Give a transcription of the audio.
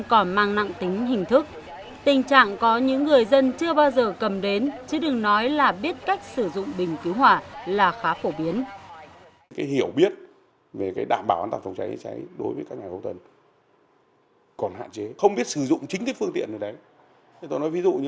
còn mang nặng tính hình thức tình trạng có những người dân chưa bao giờ cầm đến chứ đừng nói là biết cách sử dụng bình cứu hỏa là khá phổ biến